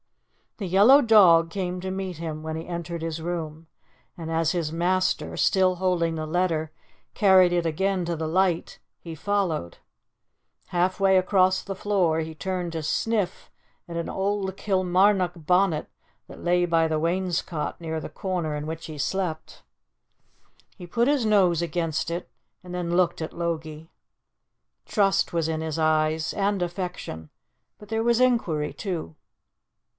The yellow dog came to meet him when he entered his room, and as his master, still holding the letter, carried it again to the light, he followed. Half way across the floor he turned to sniff at an old Kilmarnock bonnet that lay by the wainscot near the corner in which he slept. He put his nose against it, and then looked at Logie. Trust was in his eyes and affection; but there was inquiry, too.